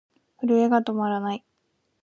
震えが止まらない。